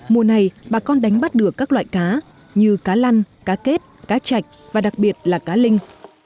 mùa này bà con đánh bắt được các loại cá như cá lăn cá kết cá chạch và đặc biệt là cá linh